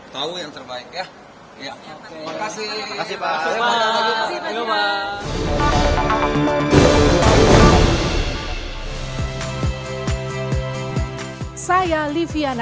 tahu yang terbaik ya